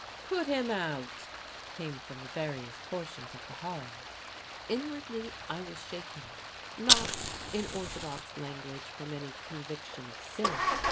"Put him out!" came from various portions of the hall. Inwardly, I was shaken. Not in orthodox language from any "conviction of sin."